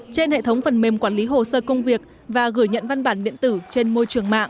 trên hệ thống phần mềm quản lý hồ sơ công việc và gửi nhận văn bản điện tử trên môi trường mạng